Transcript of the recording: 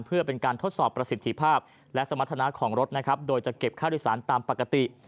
เพื่อเป็นการทดสอบประสิทธิภาพและสมรรถนาของรถนะครับโดยจะเก็บค่าโดยสารตามปกติ